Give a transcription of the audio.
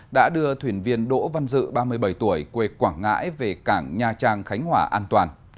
đã đưa thuyền viên đỗ văn dự ba mươi bảy tuổi quê quảng ngãi về cảng nha trang khánh hòa an toàn